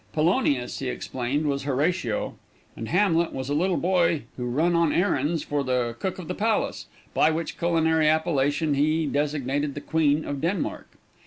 Polonius, he explained, was Horatio, and Hamlet was a little boy who run on errands for the cook of the palace, by which culinary appellation he designated the Queen of Denmark.